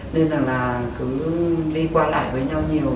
nên là cứ đi qua lại với nhau nhiều